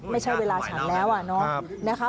ไม่ใช่เวลาฉันน้อง